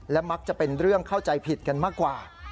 และมักจะเป็นเรื่องเข้าใจผิดกันมากกว่า